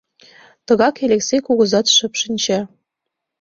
Тыгак Элексей кугызат шып шинча.